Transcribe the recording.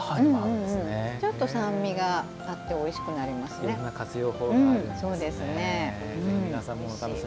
ちょっと酸味があっておいしくなりますね。